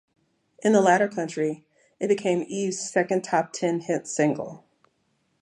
In the latter country, it became Eve's second top ten hit single.